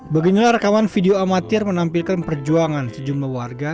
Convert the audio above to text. beginilah rekaman video amatir menampilkan perjuangan sejumlah warga